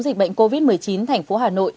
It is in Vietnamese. dịch bệnh covid một mươi chín tp hà nội